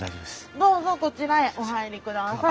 どうぞこちらへお入りください。